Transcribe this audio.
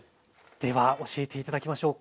では教えて頂きましょう。